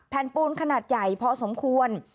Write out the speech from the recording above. ปูนขนาดใหญ่พอสมควร